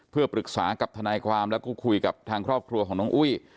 เพื่อปรึกษากับทนายความแล้วก็คุยกับทางครอบครัวของน้องอุ้ย